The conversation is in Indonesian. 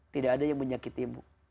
tidak ada yang menyakitimu